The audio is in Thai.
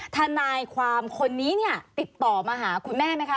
ทนายความคนนี้เนี่ยติดต่อมาหาคุณแม่ไหมคะ